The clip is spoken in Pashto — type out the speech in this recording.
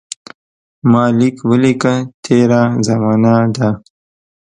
ما لیک ولیکه تېره زمانه ده.